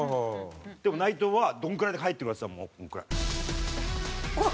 でも内藤はどんくらいで入ってくるかっていったらもうこんくらい。